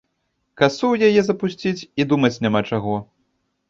Касу ў яе запусціць і думаць няма чаго.